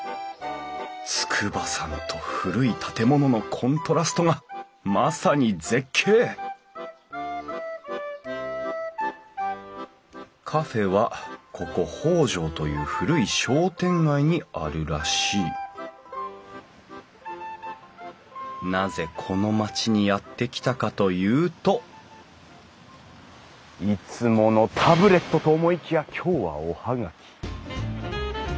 筑波山と古い建物のコントラストがまさに絶景カフェはここ北条という古い商店街にあるらしいなぜこの町にやって来たかというといつものタブレットと思いきや今日はお葉書。